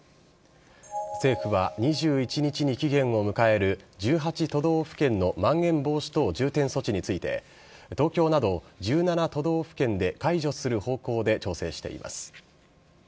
政府は２１日に期限を迎える１８都道府県のまん延防止等重点措置について、東京など１７都道府県で解除する方向で調整しています。